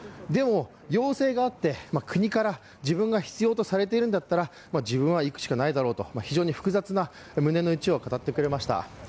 でも、要請があって国から自分が必要とされているんだったら自分は行くしかないだろうと非常に複雑な胸のうちを語ってくれました。